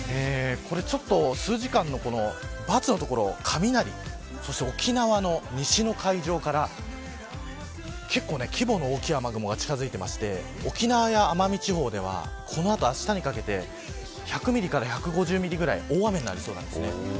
数時間のバツの所そして沖縄の西の海上から結構規模の大きい雨雲が近づいていて沖縄や奄美地方ではこの後、あしたにかけて１００ミリから１５０ミリぐらい大雨になりそうです。